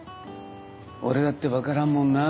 俺だって分からんもんなあ。